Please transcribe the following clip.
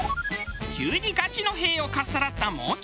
急にガチの「へぇ」をかっさらったもう中。